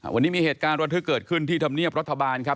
วันนี้มีเหตุการณ์ระทึกเกิดขึ้นที่ธรรมเนียบรัฐบาลครับ